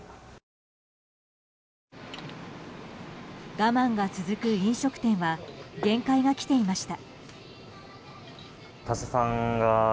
我慢が続く飲食店は限界がきていました。